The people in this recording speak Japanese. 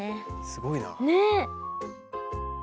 すごいな。ね。